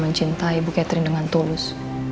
mencintai ibu catherine dengan tulus